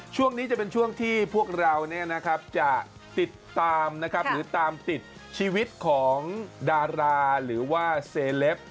ช่วงนี้จะเป็นช่วงที่พวกเราจะติดตามนะครับหรือตามติดชีวิตของดาราหรือว่าเซเลป